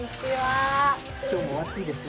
今日もお暑いですね。